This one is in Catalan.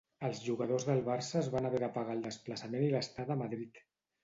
Els jugadors del Barça es van haver de pagar el desplaçament i l'estada a Madrid.